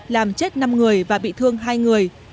làm chết năm người và bị thương hai người